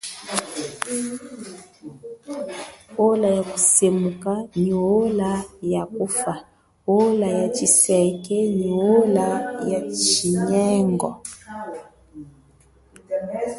Ola ya kusemuka nyi ola ya kufa ola ya chiseke nyi ola ya tshinyengo.